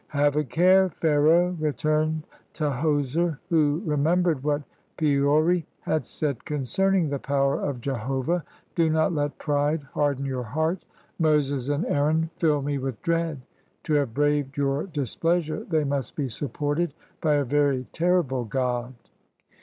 "Have a care, Pharaoh," returned Tahoser, who re membered what Poeri had said concerning the power of Jehovah: "do not let pride harden your heart. Moses and Aaron fill me with dread: to have braved your displeasure they must be supported by a very terrible God!"